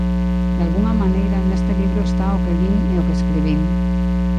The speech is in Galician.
Dalgunha maneira, neste libro está o que lin e o que escribín.